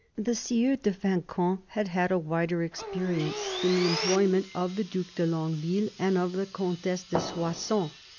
The Sieur de Fancan had had a wider experience in the employment of the Due de Longueville and of the Comtesse de Soissons.